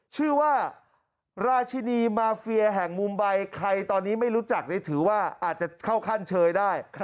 ชื่อว่าราชินีมาเฟียแห่งมุมใบใครตอนนี้ไม่รู้จักนี่ถือว่าอาจจะเข้าขั้นเชยได้